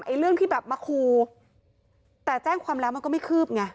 เรื่องที่แบบมาคูแต่แจ้งความแล้วมันก็ไม่คืบไง